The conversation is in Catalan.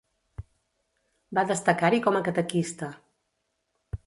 Va destacar-hi com a catequista.